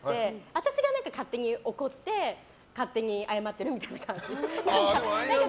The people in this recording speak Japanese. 私が勝手に怒って勝手に謝ってるみたいな感じ。